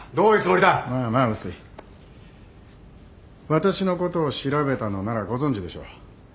私のことを調べたのならご存じでしょう。